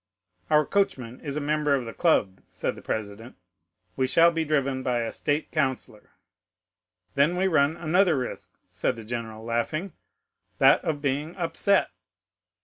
"'"Our coachman is a member of the club," said the president; "we shall be driven by a State Councillor." "'"Then we run another risk," said the general, laughing, "that of being upset."